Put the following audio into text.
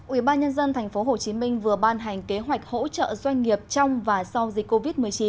ủy ban nhân dân tp hcm vừa ban hành kế hoạch hỗ trợ doanh nghiệp trong và sau dịch covid một mươi chín